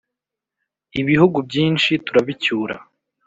ibihugu byinshi turabicyura